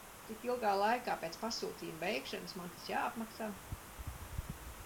Cik ilgā laikā pēc pasūtījuma veikšanas man tas jāapmaksā?